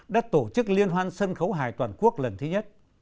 đã tổ chức liên hoan sân khấu hài toàn quốc lần thứ nhất